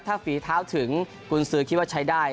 ถ้าฝีเท้าถึงกุญสือคิดว่าใช้ได้